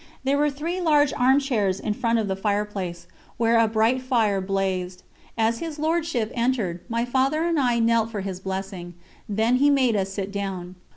There were three large armchairs in front of the fireplace, where a bright fire blazed. As his Lordship entered, my Father and I knelt for his blessing; then he made us sit down.